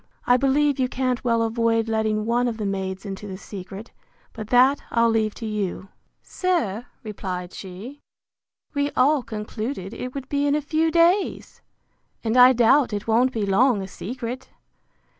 I believe you can't well avoid letting one of the maids into the secret; but that I'll leave to you. Sir, replied she, we all concluded it would be in a few days! and I doubt it won't be long a secret.